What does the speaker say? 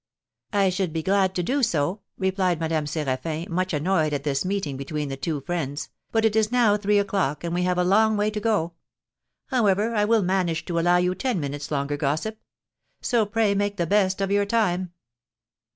"I should be glad to do so," replied Madame Séraphin, much annoyed at this meeting between the two friends; "but it is now three o'clock, and we have a long way to go. However, I will manage to allow you ten minutes longer gossip. So pray make the best of your time."